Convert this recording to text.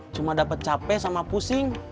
cuma dapat capek sama pusing